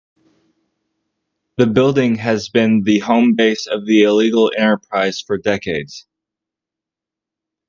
The building has been the home base of the illegal enterprise for decades.